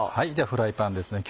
フライパンですね